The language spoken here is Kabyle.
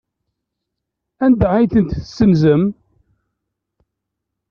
Anda ay ten-tessenzem?